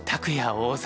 王座。